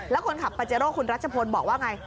แล้วคนขับปาเจโร่คุณรัชพลบอกว่าไง